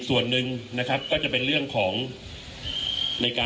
คุณผู้ชมไปฟังผู้ว่ารัฐกาลจังหวัดเชียงรายแถลงตอนนี้ค่ะ